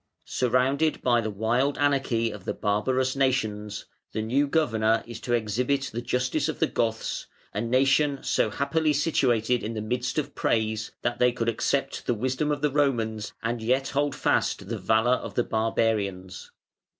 Surrounded by the wild anarchy of the barbarous nations, the new governor is to exhibit the justice of the Goths, "a nation so happily situated in the midst of praise, that they could accept the wisdom of the Romans and yet hold fast the valour of the barbarians".